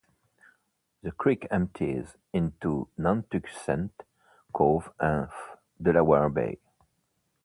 The creek empties into Nantuxent Cove of Delaware Bay.